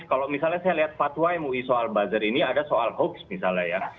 kalau misalnya saya lihat fatwa mui soal buzzer ini ada soal hoax misalnya ya